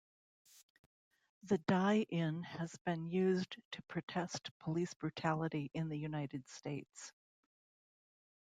The die-in has been used to protest police brutality in the United States.